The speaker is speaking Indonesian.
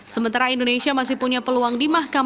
sementara indonesia masih punya peluang di mahkamah